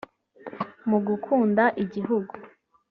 mu gukunda igihugu